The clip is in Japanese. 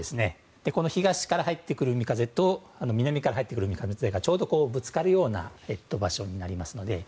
東から入ってくる海風と南から入ってくる海風がちょうどぶつかるような場所になりますので。